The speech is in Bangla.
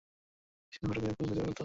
সিংহটাকে এক্ষুণি খুঁজে বের করতে হবে।